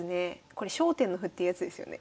これ焦点の歩ってやつですよね。